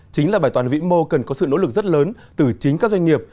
chính là bài toán vĩ mô cần có sự nỗ lực rất lớn từ chính các doanh nghiệp